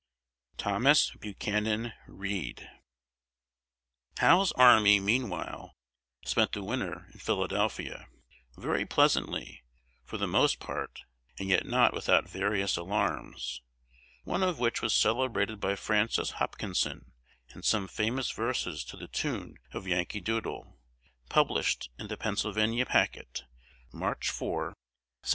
THOMAS BUCHANAN READ. Howe's army, meanwhile, spent the winter in Philadelphia; very pleasantly, for the most part, and yet not without various alarms, one of which was celebrated by Francis Hopkinson in some famous verses to the tune of "Yankee Doodle," published in the Pennsylvania Packet, March 4, 1778.